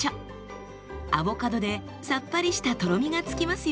アボカドでさっぱりしたとろみがつきますよ。